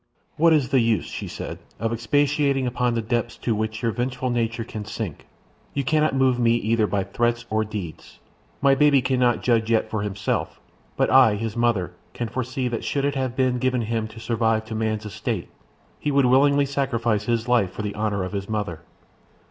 "What is the use," she said, "of expatiating upon the depths to which your vengeful nature can sink? You cannot move me either by threats or deeds. My baby cannot judge yet for himself, but I, his mother, can foresee that should it have been given him to survive to man's estate he would willingly sacrifice his life for the honour of his mother.